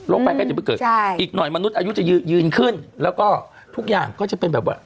ไปก็จะไปเกิดใช่อีกหน่อยมนุษย์อายุจะยืนขึ้นแล้วก็ทุกอย่างก็จะเป็นแบบว่า